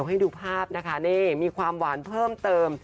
หล่อพูดเหลือ